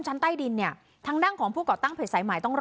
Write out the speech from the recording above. ชั้นใต้ดินเนี้ยทางดั้งของผู้ก่อตั้งผลสายหมายต้องรอด